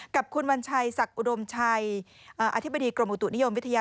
กับคุณวัญชัยศักดิ์อุดมชัยอธิบดีกรมอุตุนิยมวิทยา